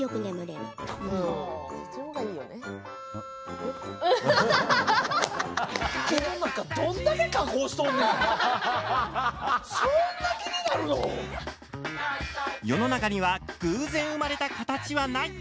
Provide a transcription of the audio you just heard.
る世の中には偶然生まれたカタチはない！